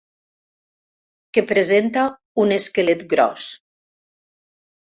Que presenta un esquelet gros.